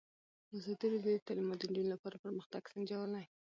ازادي راډیو د تعلیمات د نجونو لپاره پرمختګ سنجولی.